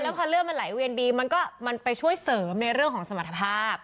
พอเลือดมันไหลเวียนดีมันก็มันไปช่วยเสริมในเรื่องของสมรรถภาพ